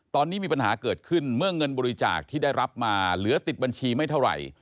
ตอนนี้มีปัญหาเกิดขึ้นเมื่อเงินบริจาคที่ได้รับมาเหลือติดบัญชีไม่เท่าไหร่